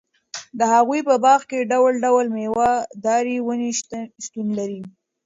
د هغوي په باغ کي ډول٬ډول ميوه داري وني شتون لري